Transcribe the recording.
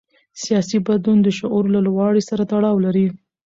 سیاسي بدلون د شعور له لوړوالي سره تړاو لري